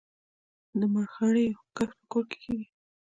د مرخیړیو کښت په کور کې کیږي؟